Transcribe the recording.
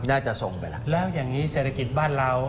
น่าจะส่งไปแล้วแล้วอย่างนี้เศรษฐกิจบ้านเรา